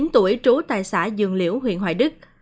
một mươi chín tuổi trú tại xã dường liễu huyện hoài đức